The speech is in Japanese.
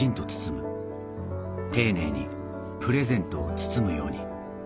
丁寧にプレゼントを包むように。